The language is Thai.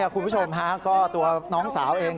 คุณผู้ชมฮะก็ตัวน้องสาวเอง